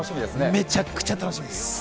めちゃくちゃ楽しみです。